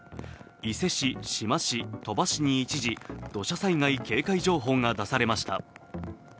伊勢市、志摩市、鳥羽市に一時、土砂災害警戒情報が出されました。